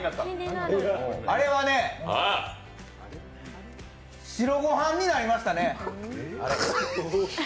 あれはね、白ご飯になりましたね。